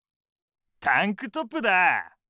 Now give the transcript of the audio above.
タンクトップだぁ！